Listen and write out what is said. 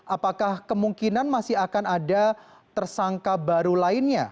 apakah kemungkinan masih akan ada tersangka baru lainnya